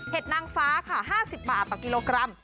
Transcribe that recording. นางฟ้าค่ะ๕๐บาทต่อกิโลกรัม